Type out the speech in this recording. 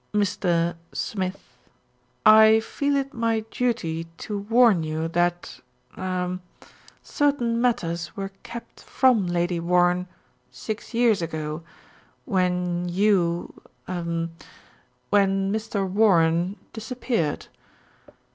"Mr. Smith I feel it my duty to warn you that er certain matters were kept from Lady Warren six years ago when you er when Mr. Warren disap peared."